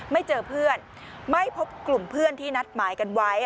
ไม่เจอเพื่อนไม่พบกลุ่มเพื่อนที่นัดหมายกันไว้